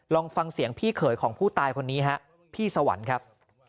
ลองฟังเสียงพี่เขยของผู้ตายคนนี้ฮะพี่สวรรค์ครับ